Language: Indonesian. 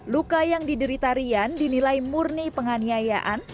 luka yang diderita rian dinilai murni penganiayaan